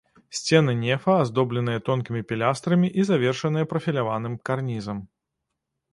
Сцены нефа аздобленыя тонкімі пілястрамі і завершаныя прафіляваным карнізам.